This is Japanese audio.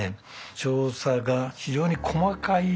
調査が非常に細かいですよね。